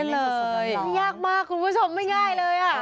เล่นเลยแต่ส่วนดำร้อยนี่ยากมากคุณผู้ชมไม่ง่ายเลย